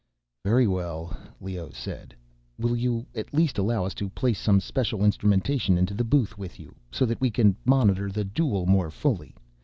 "Very well," Leoh said. "Will you at least allow us to place some special instrumentation into the booth with you, so that we can monitor the duel more fully?